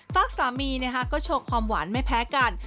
ฝากสามีก็โชว์ความหวานไม่แพ้กัน